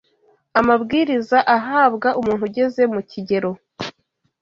Amabwiriza ahabwa umuntu ugeze mu kigero